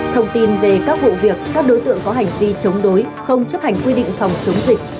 thông tin về các vụ việc các đối tượng có hành vi chống đối không chấp hành quy định phòng chống dịch